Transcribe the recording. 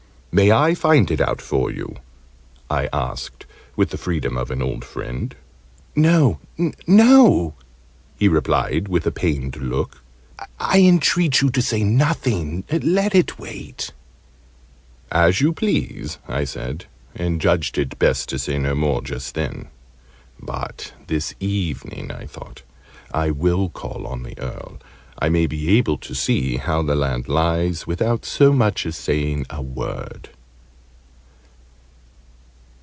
"May I find it out for you?" I asked, with the freedom of an old friend. "No, no!" he replied with a pained look. "I entreat you to say nothing. Let it wait." "As you please," I said: and judged it best to say no more just then. "But this evening," I thought, "I will call on the Earl. I may be able to see how the land lies, without so much as saying a word!"